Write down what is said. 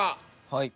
はい。